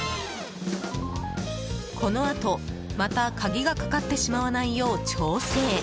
このあと、また鍵がかかってしまわないよう調整。